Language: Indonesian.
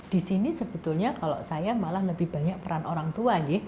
di sini sebetulnya kalau saya malah lebih banyak peran orang tua